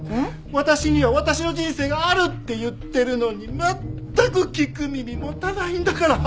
私には私の人生があるって言ってるのに全く聞く耳持たないんだから。